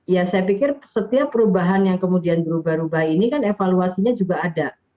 ya saya pikir setiap perubahan yang kemudian berubah ubah ini kan evaluasinya juga ada